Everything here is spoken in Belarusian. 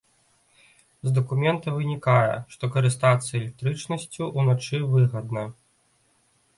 З дакумента вынікае, што карыстацца электрычнасцю ўначы выгадна.